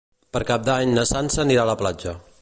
Per Cap d'Any na Sança anirà a la platja.